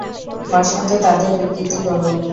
বসন্ত তাদের বিকৃত করুক!